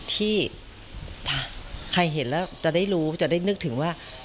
ที่ใครเห็นแล้วจะได้รู้จะได้นึกถึงว่า